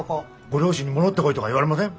ご両親に戻ってこいとか言われません？